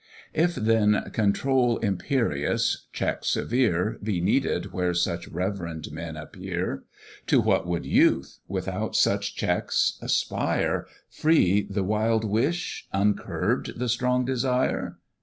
If then control imperious, check severe, Be needed where such reverend men appear; To what would youth, without such checks, aspire, Free the wild wish, uncurb'd the strong desire?